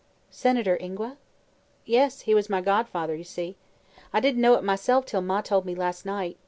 "Senator Ingua?" "Yes; he was my godfather, you see. I didn't know it myself till Ma told me last night.